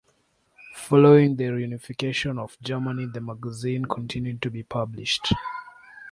Following the reunification of Germany the magazine continued to be published.